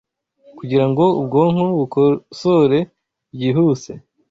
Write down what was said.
Kugira ngo ubwonko bukosore byihuse,